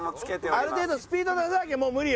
ある程度スピード出さなきゃもう無理よ。